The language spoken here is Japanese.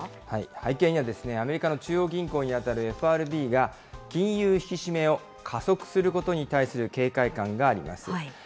背景には、アメリカの中央銀行に当たるＦＲＢが、金融引き締めを加速することに対する警戒感があります。